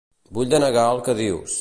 Vull denegar el que dius.